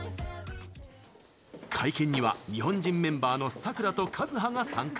会見には日本人メンバーのＳＡＫＵＲＡとＫＡＺＵＨＡが参加。